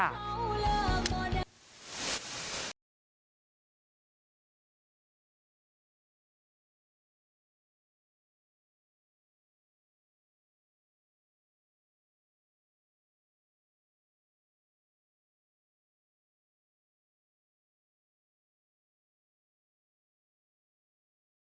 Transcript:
ถ้าชมช่อยชมรู้เรื่องอะ